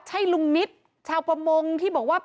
ใช่ลุงนิตชาวประมงที่บอกว่า